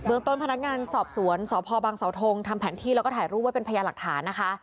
เมืองต้นพนักงานสอบสวนสพบังเสาทงทำแผนที่แล้วก็ถ่ายรูปไว้เป็นพยานหลักฐานนะคะ